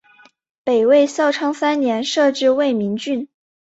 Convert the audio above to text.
北魏孝昌三年设置魏明郡。